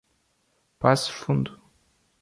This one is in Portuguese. Passo Fundo